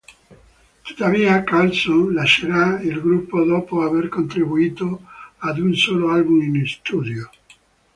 Tuttavia Karlsson lascerà il gruppo dopo aver contribuito ad un solo album in studio.